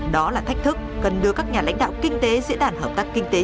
đó là thách thức cần đưa các nhà lãnh đạo kinh tế diễn đàn hợp tác kinh tế